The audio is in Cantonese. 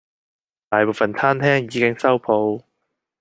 大部份餐廳已經收舖